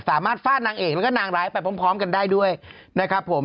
ฟาดนางเอกแล้วก็นางร้ายไปพร้อมกันได้ด้วยนะครับผม